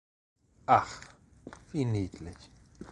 Ach, wie niedlich!